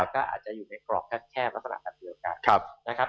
ก็อาจจะอยู่ในกรอบแค่ลักษณะเหมือนเดียวกัน